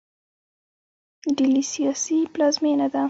ډیلي سیاسي پلازمینه ده.